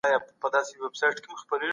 موږ باید د پانګي تولید زیات کړو.